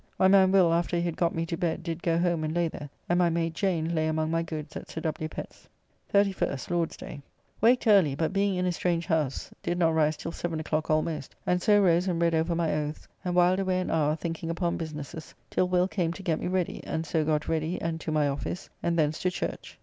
My man Will after he had got me to bed did go home and lay there, and my maid Jane lay among my goods at Sir W. Pen's. 31st (Lord's day). Waked early, but being in a strange house, did not rise till 7 o'clock almost, and so rose and read over my oaths, and whiled away an hour thinking upon businesses till Will came to get me ready, and so got ready and to my office, and thence to church.